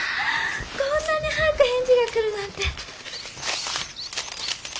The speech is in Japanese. こんなに早く返事が来るなんて！